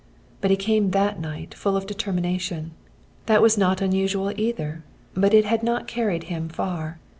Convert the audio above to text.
But he came that night full of determination. That was not unusual, either, but it had not carried him far.